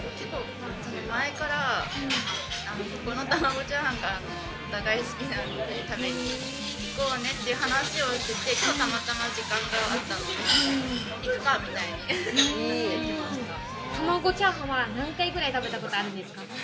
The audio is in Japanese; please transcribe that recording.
前から、ここの玉子チャーハンがお互い好きなんで、食べに行こうねっていう話をしてて、今日たまたま時間があったので玉子チャーハンは何回くらい食べたことあるんですか？